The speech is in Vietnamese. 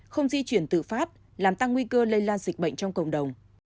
không di chuyển tự phát làm tăng nguy cơ lây lan dịch bệnh trong cộng đồng